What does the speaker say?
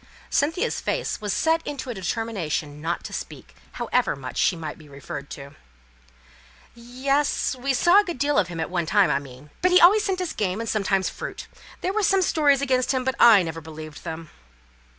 Cynthia's face was set into a determination not to speak, however much she might be referred to. "Yes; we saw a good deal of him at one time, I mean. He's changeable, I think. But he always sent us game, and sometimes fruit. There were some stories against him, but I never believed them."